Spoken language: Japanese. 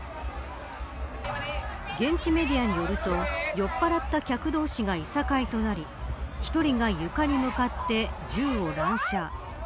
現地メディアによると酔っぱらった客同士がいさかいとなり１人が床に向かって銃を乱射。